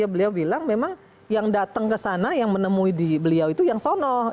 beliau bilang memang yang datang ke sana yang menemui di beliau itu yang sonoh